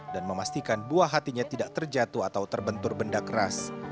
dan memastikan buah hatinya tidak terjatuh atau terbentur benda keras